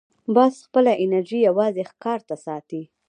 باز خپله انرژي یوازې ښکار ته ساتي